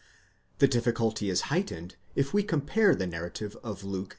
The difficulty is heightened if we compare the narrative of Luke (xi.